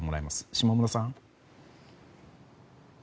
下村さん。